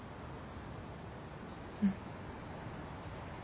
うん。